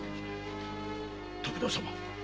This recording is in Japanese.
徳田様